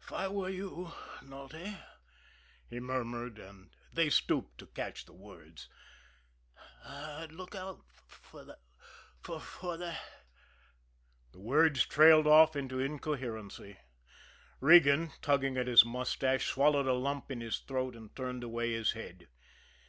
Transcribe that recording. "If I were you, Nulty," he murmured, and they stooped to catch the words, "I'd look out for for that " The words trailed off into incoherency. Regan, tugging at his mustache, swallowed a lump in his throat, and turned away his head.